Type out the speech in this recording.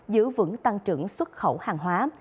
giữ vững tăng trưởng xuất khẩu hàng hóa